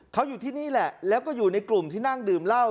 เขาอยู่ที่นี่แหละแล้วก็อยู่ในกลุ่มที่นั่งดื่มเหล้า